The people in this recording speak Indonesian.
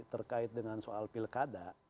terkait dengan soal pilkada